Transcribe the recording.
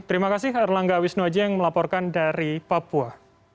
terima kasih harlangga wisnuwajeng melaporkan dari papua